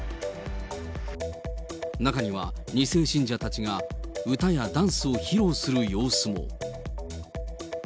中には、２世信者たちが歌やダンスを披露する様子も。